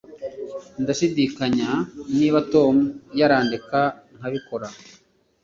Ndashidikanya niba Tom yarandeka nkabikora